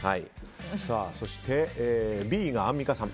そして、Ｂがアンミカさん。